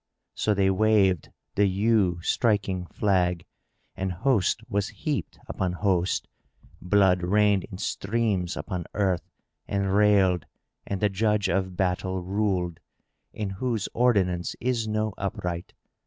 So they waved the awe striking flag and host was heaped upon host; blood rained in streams upon earth and railed and the Judge of battle ruled, in whose ordinance is no unright.